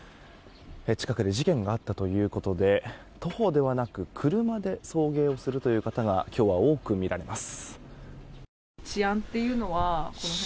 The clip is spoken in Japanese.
近くで事件があったということで徒歩ではなく車で送迎をするという方が今日は多く見られます。